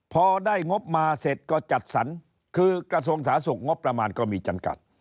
พอได้งบมาเสร็จก็จัดสรรคือกระทรวงสาธารณสุขงบประมาณก็มีจำกัด